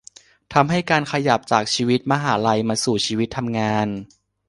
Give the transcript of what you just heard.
ทำให้การขยับจากชีวิตมหาลัยมาสู่ชีวิตทำงาน